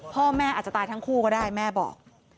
พ่อแม่อาจจะตายทั้งคู่ก็ได้แม่บอก